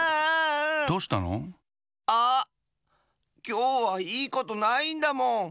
きょうはいいことないんだもん。